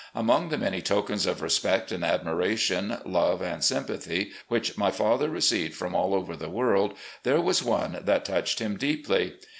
Among the many tokens of respect and admira tion, love, and sympathy which my father received from all over the world, there was one that touched him deeply.